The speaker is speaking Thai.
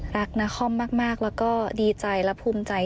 รักนักคล่อมมากแล้วก็ดีใจและภูมิใจ